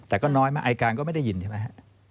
แต่ก็น้อยมากอายการก็ไม่ได้ยินใช่ไหมฮะ